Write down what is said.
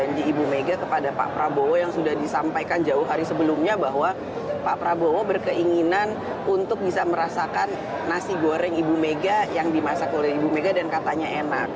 janji ibu mega kepada pak prabowo yang sudah disampaikan jauh hari sebelumnya bahwa pak prabowo berkeinginan untuk bisa merasakan nasi goreng ibu mega yang dimasak oleh ibu mega dan katanya enak